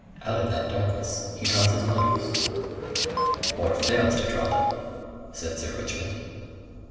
Out of that darkness he draws his motives." "Or fails to draw them," said Sir Richmond.